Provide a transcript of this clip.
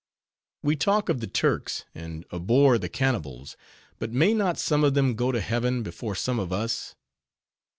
We talk of the Turks, and abhor the cannibals; but may not some of them, go to heaven, before some of _us?